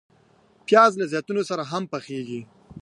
پیاز له زیتونو سره هم پخیږي